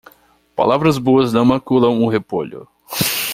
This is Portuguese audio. Palavras boas não maculam o repolho.